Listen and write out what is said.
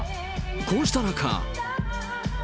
こうした中。